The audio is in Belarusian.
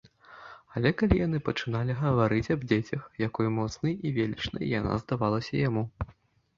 Але калі яны пачыналі гаварыць аб дзецях, якой моцнай і велічнай яна здавалася яму.